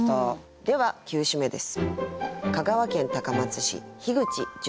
では９首目です。